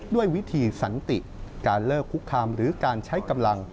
ด้วยวิธีสันติการเลิกคุกคามหรือการใช้กำลัง